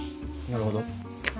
なるほど。